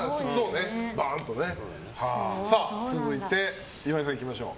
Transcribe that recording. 続いて、岩井さんいきましょう。